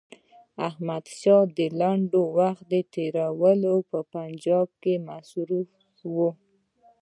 احمدشاه د لنډ وخت تېرولو په پنجاب کې مصروف وو.